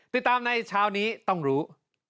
ติดตามในเช้านี้ต้องรู้